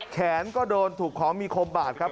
แขนก็โดนถูกของมีคมบาดครับ